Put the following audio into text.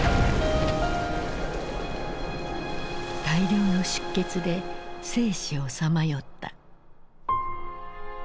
大量の出血で生死をさまよった。